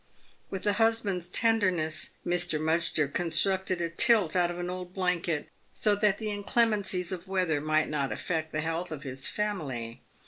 With a husband's tenderness, Mr. M. constructed a tilt out of an old blanket, so that the inclemencies of the weather might not affect the health of his family.